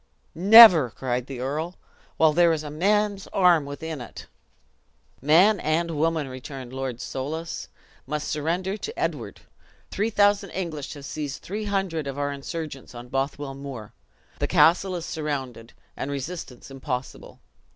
"Never!" cried the earl, "while there is a man's arm within it." "Man and woman," returned Lord Soulis, "must surrender to Edward. Three thousand English have seized three hundred of our insurgents on Bothwell Moor. The castle is surrounded, and resistance impossible.